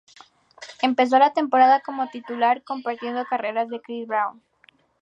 Empezó la temporada como titular, compartiendo carreras con Chris Brown.